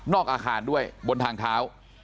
อาคารด้วยบนทางเท้า